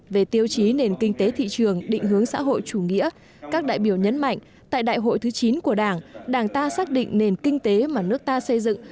về tiêu chí nền kinh tế thị trường định hướng xã hội chủ nghĩa các đại biểu nhấn mạnh tại đại hội thứ chín của đảng đảng ta xác định nền kinh tế mà nước ta xây dựng